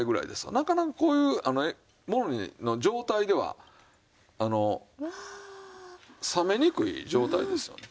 なかなかこういうものの状態では冷めにくい状態ですよね。